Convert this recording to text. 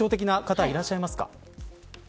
特徴的な方いらっしゃいますか。